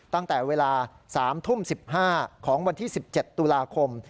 ตั้งแต่เวลาสามทุ่มสิบห้าของวันที่สิบเจ็ดตุลาคม